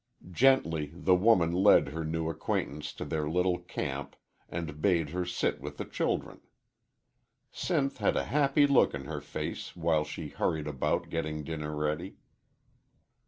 Gently the woman led her new acquaintance to their little camp, and bade her sit with the children. Sinth had a happy look in her face while she hurried about getting dinner ready.